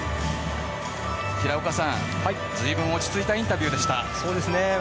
平岡さん、随分落ち着いたインタビューでした。